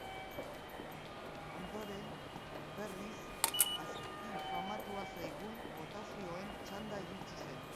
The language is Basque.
Ondoren, berriz, aski famatua zaigun botazioen txanda iritsi zen.